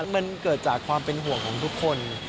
มันเกิดจากความเป็นห่วงของทุกคน